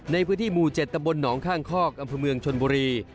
ในพื้นที่มูเจ็ดตะบนหนองข้างคอกอัมพมืองชนบุรี